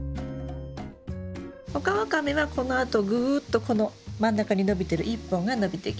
オカワカメはこのあとぐっとこの真ん中に伸びてる１本が伸びていきます。